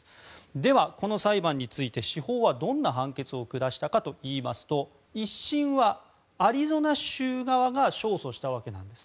ではこの裁判について、司法はどんな判決を下したかというと１審はアリゾナ州側が勝訴したわけなんです。